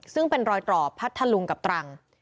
ซึ่งเป็นรอยตรอกพัทธลุงกับตรัง